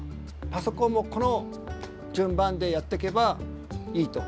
パソコンもこの順番でやっていけばいいと。